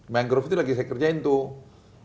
mangrove itu lagi saya kerjain tuh